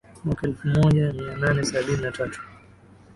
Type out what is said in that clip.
mwaka elfu moja mia nane sabini na tatu